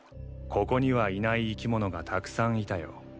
ここにはいない生き物がたくさんいたよ。